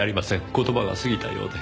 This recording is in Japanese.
言葉が過ぎたようで。